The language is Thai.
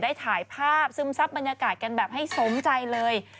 ได้ถ่ายภาพซึมซับบรรยากาศกันแบบให้สมใจเลย